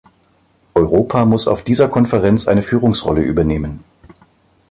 Europa muss auf dieser Konferenz eine Führungsrolle übernehmen.